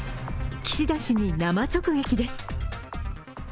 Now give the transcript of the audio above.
岸田氏に生直撃です。